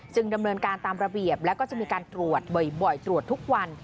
ดำเนินการตามระเบียบแล้วก็จะมีการตรวจบ่อยตรวจทุกวัน